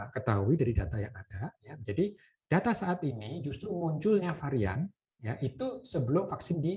ketahui dari data yang ada ya jadi data saat ini justru munculnya varian ya itu sebelum vaksin di